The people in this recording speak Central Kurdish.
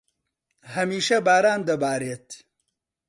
هەمیشە باران دەبارێت.